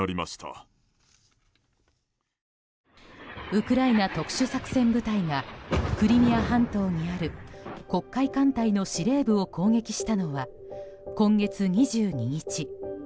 ウクライナ特殊作戦部隊がクリミア半島にある黒海艦隊の司令部を攻撃したのは今月２２日。